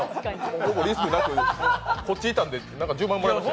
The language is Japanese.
ほぼリスクなく、こっちにいたんで１０万もらいましたよ。